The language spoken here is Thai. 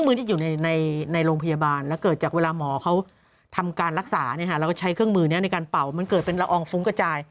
มันเป็นเฉพาะกรณีที่ทำเป็นแอราโซ่